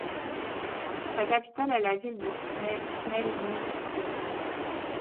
Sa capitale est la ville de Khmelnytskyï.